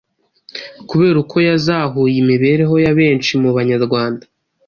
kubera uko yazahuye imibereho ya benshi mu Banyarwanda.